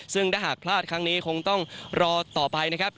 ซึ่งถ้าหากพลาดครั้งนี้คงต้องรอต่อไปนะครับ